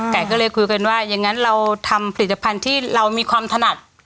แต่ก็เลยคุยกันว่าอย่างนั้นเราทำผลิตภัณฑ์ที่เรามีความถนัด